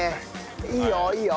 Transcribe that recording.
いいよいいよ。